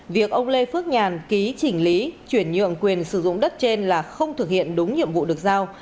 việc ông lê phước nhàn ký chỉnh lý chuyển nhượng quyền sử dụng đất trên là không thực hiện đúng nhiệm vụ được giao